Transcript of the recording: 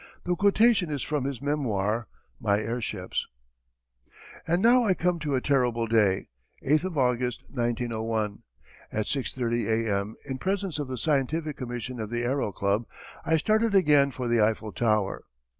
The quotation is from his memoir, My Airships: And now I come to a terrible day 8th of August, 1901. At 6:30 A.M. in presence of the Scientific Commission of the Aero Club, I started again for the Eiffel Tower.